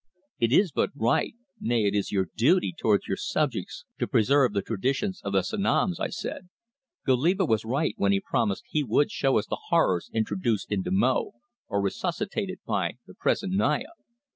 "It is but right; nay, it is your duty towards your subjects to preserve the traditions of the Sanoms," I said. "Goliba was right when he promised he would show us the horrors introduced into Mo, or resuscitated by the present Naya.